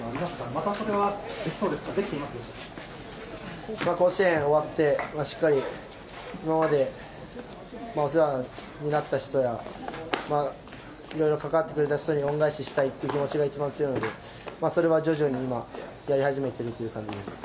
またそれはできそうですか、でき甲子園終わって、しっかり今までお世話になった人や、いろいろ関わってくれた人に恩返ししたいっていう気持ちが強いので、それは徐々に今、やり始めているという感じです。